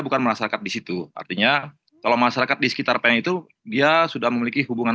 bukan masyarakat di situ artinya kalau masyarakat di sekitar pen itu dia sudah memiliki hubungan